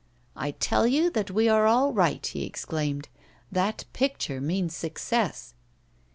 'I tell you that we are all right,' he exclaimed. 'That picture means success.